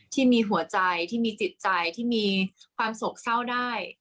ที่มีหัวใจที่มีจิตใจที่มีความโศกเศร้าได้